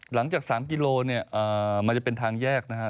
หลังจาก๓กิโลมันจะเป็นทางแยกนะฮะ